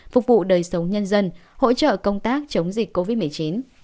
phục vụ đời sống nhân dân hỗ trợ công tác chống dịch covid một mươi chín